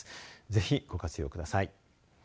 ぜひご活用ください。